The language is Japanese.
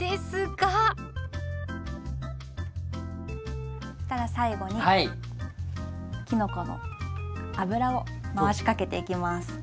そしたら最後にきのこの油を回しかけていきます。